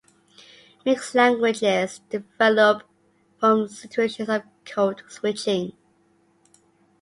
Mixed languages develop from situations of code-switching.